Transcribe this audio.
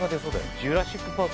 「ジュラシック・パーク」。